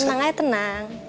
tenang aja tenang